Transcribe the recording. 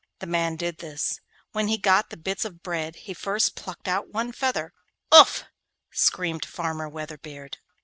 The man did this; when he had got the bits of bread he first plucked out one feather. 'Oof!' screamed Farmer Weatherbeard.